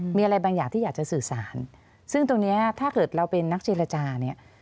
มีอะไรบางอย่างที่อยากจะสื่อสารซึ่งตรงเนี้ยถ้าเกิดเราเป็นนักเจรจาเนี่ย